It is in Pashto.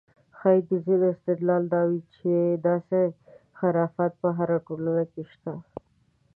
ښایي د ځینو استدلال دا وي چې داسې خرافات په هره ټولنه کې شته.